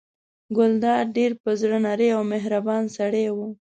ګلداد ډېر په زړه نری او مهربان سړی و.